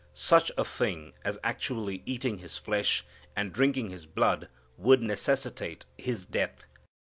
Such a thing as actually eating His flesh and drinking His blood would necessitate His death.